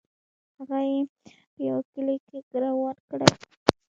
هغه یې په یوه کلي کې ګوروان کړی.